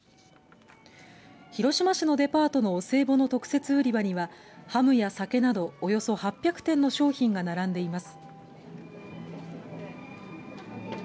広島市のデパートのお歳暮の特設売り場にはハムや酒などおよそ８００点の商品が並んでいます。